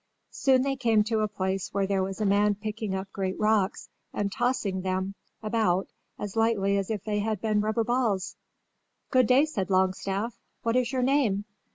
Soon they came to a place where there was a man picking up great rocks and tossing them about as lightly as if they had been rubber balls. "Good day," said Longstaff. "What is your name?"